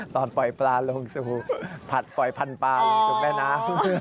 ตอนปล่อยปลาลงสู่ผัดปล่อยพันธุ์ปลาลงสู่แม่น้ำ